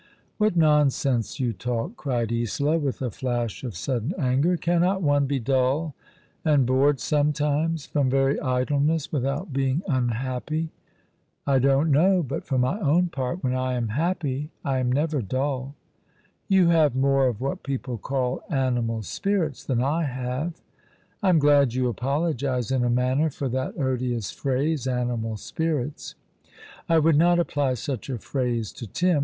" What nonsense you talk !" cried Isola, with a flash of sudden anger. "Cannot one be dull and bored sometimes — from very idleness — without being unhappy ?"" I don't know ; but, for my own part, when I am happy I am never dull." " You have more of what people call animal spirits than I have." "I'm glad you apologize in a manner for that odious phrase — animal spirits. I would not apply such a phrase to Tim.